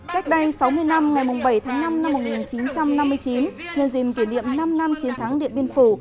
cách đây sáu mươi năm ngày bảy tháng năm năm một nghìn chín trăm năm mươi chín nhân dìm kỷ niệm năm năm chiến thắng điện biên phủ